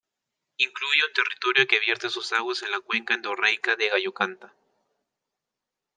Incluye un territorio, que vierte sus aguas en la cuenca endorreica de Gallocanta.